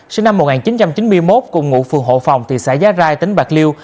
sinh năm một nghìn chín trăm chín mươi một cùng ngụ phường hộ phòng thị xã giá rai tỉnh bạc liêu